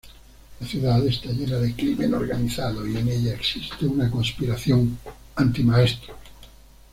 La ciudad está llena de crimen organizado y en ella existe una conspiración anti-maestros.